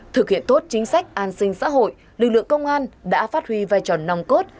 thực hiện tốt chính sách an sinh xã hội lực lượng công an đã phát huy vai trò nòng cốt